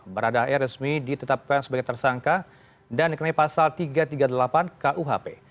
barada r resmi ditetapkan sebagai tersangka dan dikenai pasal tiga ratus tiga puluh delapan kuhp